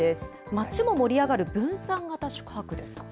まちも盛り上がる分散型宿泊ですか。